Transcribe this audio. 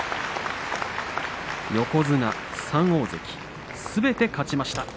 横綱３大関すべて勝ちました。